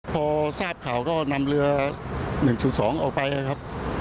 พอทราบข่าวก็นำเรือ๑๐๒ออกไปนะครับ